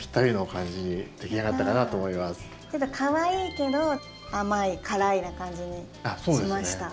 かわいいけど甘い辛いな感じにしました。